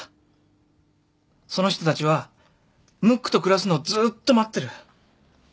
その人たちはムックと暮らすのをずっと待ってる。